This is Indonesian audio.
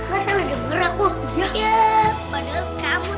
masa lagi merah kok